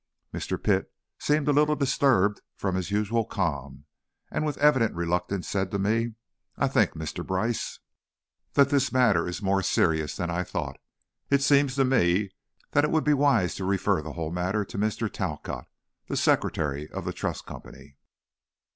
Mr. Pitt seemed a little disturbed from his usual calm, and with evident reluctance said to me, "I think, Mr. Brice, that this matter is more serious than I thought. It seems to me that it would be wise to refer the whole matter to Mr. Talcott, the secretary of the Trust Company."